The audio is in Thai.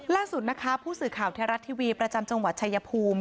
ล่าสุดนะคะผู้สื่อข่าวไทยรัฐทีวีประจำจังหวัดชายภูมิ